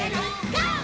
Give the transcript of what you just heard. ゴー！」